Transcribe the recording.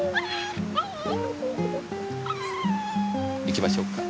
行きましょうか。